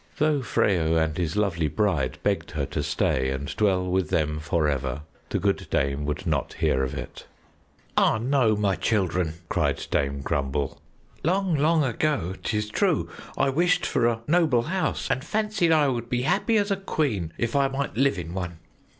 Though Freyo and his lovely bride begged her to stay and dwell with them forever, the good dame would not hear of it. "Ah, no, my children!" cried Dame Grumble. "Long, long ago, 'tis true, I wished for a noble house and fancied I would be happy as a queen if I might live in one.